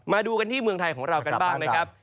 มาดูกันที่เมืองไทยของเรากันบ้างนะครับ